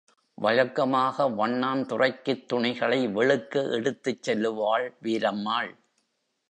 வழக்கமாக வண்ணான் துறைக்குத் துணிகளை வெளுக்க எடுத்துச் செல்லுவாள் வீரம்மாள்.